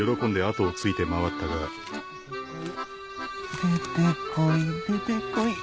出てこい出てこい